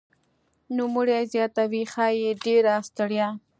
نوموړی زیاتوي "ښايي ډېره ستړیا